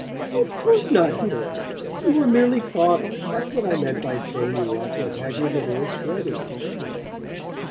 "Of course not, dearest. You were merely thoughtless that's what I meant by saying you ought to have had your divorce ready."